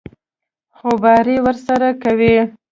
خوباري ورسره کوي.